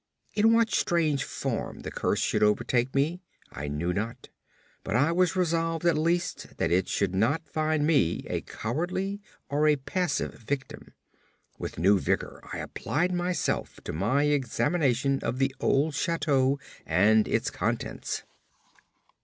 In what strange form the curse should overtake me, I knew not; but I was resolved at least that it should not find me a cowardly or a passive victim. With new vigour I applied myself to my examination of the old chateau and its contents.